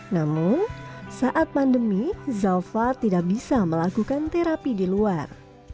namun saat pandemi zalfa tidak bisa melakukan terapi di luar